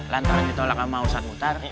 lantaran ditolak sama urusan mutar